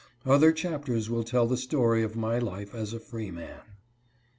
Other chapters will tell the story of my life as a freeman.